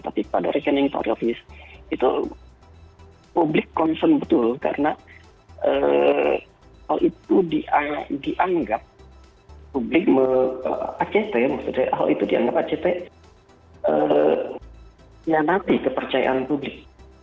tapi pada rekening teroris itu publik concern betul karena hal itu dianggap publik act maksudnya hal itu dianggap act menanti kepercayaan publik